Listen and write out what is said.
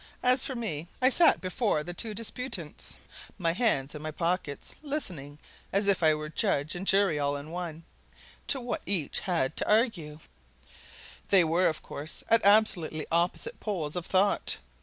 As for me, I sat before the two disputants, my hands in my pockets, listening, as if I were judge and jury all in one, to what each had to urge. They were, of course, at absolutely opposite poles of thought.